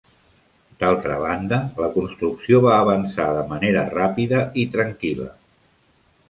D'altra banda, la construcció va avançar de manera ràpida i tranquil·la.